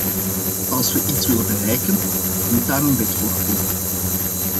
Als we iets willen bereiken, dan moet daar een wet voor komen.